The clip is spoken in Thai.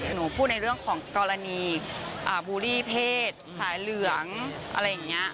หนูพูดในเรื่องของกรณีบูลลี่เพศสายเหลืองอะไรอย่างนี้